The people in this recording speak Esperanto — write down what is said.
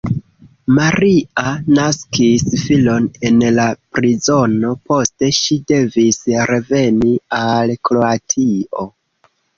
Maria naskis filon en la prizono, poste ŝi devis reveni al Kroatio.